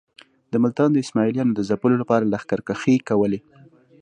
د ملتان د اسماعیلیانو د ځپلو لپاره لښکرکښۍ کولې.